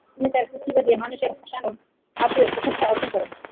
তিনি তার প্রতিভা দিয়ে মানুষকে হাসানোর মাধ্যমে প্রশংসা অর্জন করেন।